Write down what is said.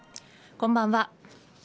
こんばんは。